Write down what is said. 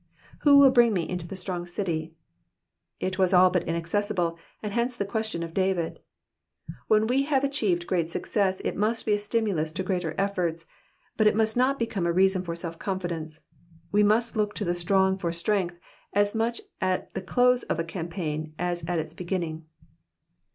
Who wiU bring me into the strong city f " It was all but inaccessible, and hence the question of David. When we have achieved great success it must Digitized by VjOOQIC PSALM THE SIXTIETH. 95 be a stimulus to greater efforts, but it must not become a reason for self con fidence. We must look to the strong for strength as much at the close of a campaign as at its beginning.